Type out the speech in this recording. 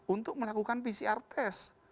untuk melakukan pcr test